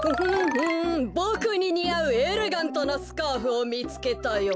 ボクににあうエレガントなスカーフをみつけたよ。